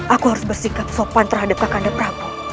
aku harus bersikap sopan terhadap kakanda prabu